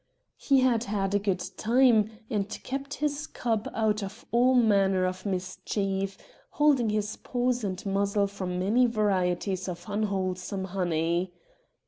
He had had a good time, and kept his cub out of all manner of mischief, holding his paws and muzzle from many varieties of unwholesome honey.